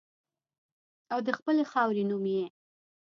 او د خپلې خاورې نوم یې